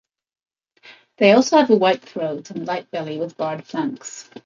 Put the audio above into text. They also have a white throat and a light belly with barred flanks.